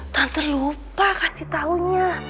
tante lupa kasih taunya